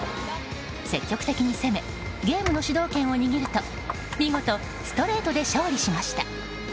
積極的に攻めゲームの主導権を握ると見事、ストレートで勝利しました。